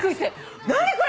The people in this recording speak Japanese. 何これ！？